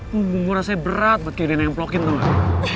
punggung gue rasanya berat buat kayak ada yang ngeplokin tuh